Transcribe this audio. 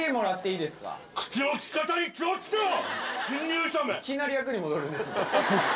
いきなり役に戻るんですね。